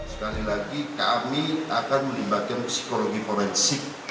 sekali lagi kami akan melibatkan psikologi forensik